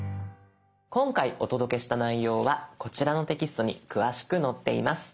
今回お届けした内容はこちらのテキストに詳しく載っています。